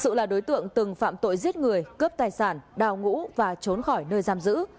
sự là đối tượng từng phạm tội giết người cướp tài sản đào ngũ và trốn khỏi nơi giam giữ